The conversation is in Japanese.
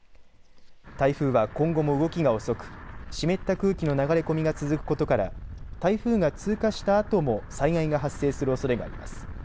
台風は今後も動きが遅く湿った空気の流れ込みが続くことから台風が通過したあとも災害が発生するおそれがあります。